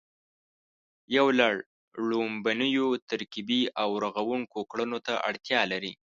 یو لړ ړومبنیو ترکیبي او رغوونکو کړنو ته اړتیا لري